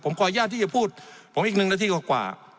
ผมขออนุญาตที่จะพูดผมอีก๑นาทีกว่า